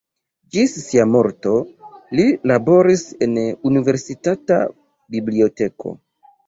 Ĝis sia morto li laboris en Universitata Biblioteko.